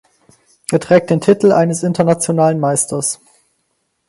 Er trägt den Titel eines Internationalen Meisters.